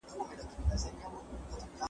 درس به په ساده ژبه وړاندې سي.